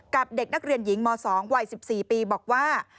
เด็กนักเรียนหญิงม๒วัย๑๔ปีบอกว่า